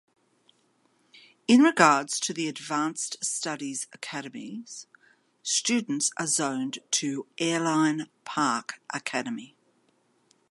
In regards to the advanced studies academies, students are zoned to Airline Park Academy.